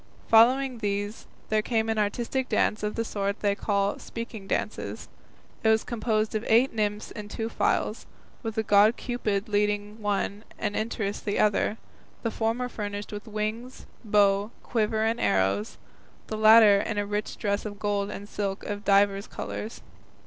Following these there came an artistic dance of the sort they call "speaking dances." It was composed of eight nymphs in two files, with the god Cupid leading one and Interest the other, the former furnished with wings, bow, quiver and arrows, the latter in a rich dress of gold and silk of divers colours.